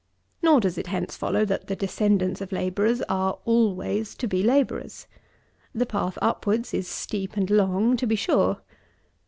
Nor does it hence follow that the descendants of labourers are always to be labourers. The path upwards is steep and long, to be sure.